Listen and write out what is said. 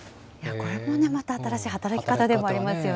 これも新しい働き方でもあります